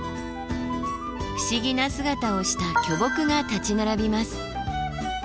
不思議な姿をした巨木が立ち並びます。